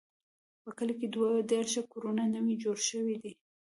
په کلي کې دوه دیرش کورونه نوي جوړ شوي دي.